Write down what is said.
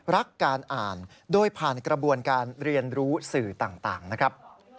รักการอ่านโดยผ่านกระบวนการเรียนรู้สื่อต่างนะครับ